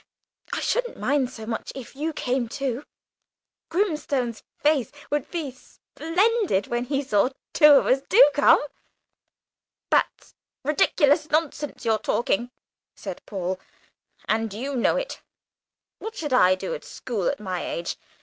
I shouldn't mind so much if you came too. Grimstone's face would be splendid when he saw two of us. Do come!" "That's ridiculous nonsense you're talking," said Paul, "and you know it. What should I do at school at my age?